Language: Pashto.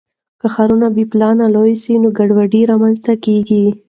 که ښارونه بې پلانه لوی سي نو ګډوډي رامنځته کیږي.